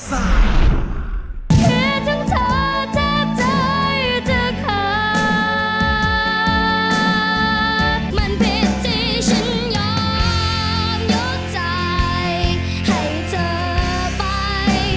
มันเป็นเพศที่ฉันยอมยกใจให้เธอไป